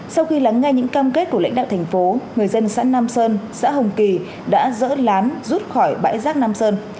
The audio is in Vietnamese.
sau khi lắng ngay những cam kết của lãnh đạo tp người dân xã nam sơn xã hồng kỳ đã dỡ lán rút khỏi bãi rác nam sơn